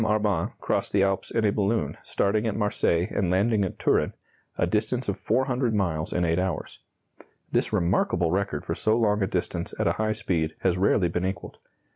Arban crossed the Alps in a balloon, starting at Marseilles and landing at Turin a distance of 400 miles in 8 hours. This remarkable record for so long a distance at a high speed has rarely been equalled.